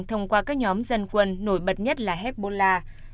thông qua các nhóm dân quân nổi bật nhất là hezbollah